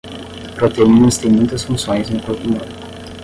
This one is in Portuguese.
Proteínas têm muitas funções no corpo humano.